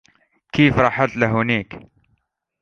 كيف رحت لهونيك ؟